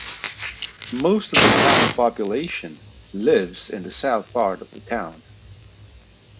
Most of the town's population lives in the south part of the town.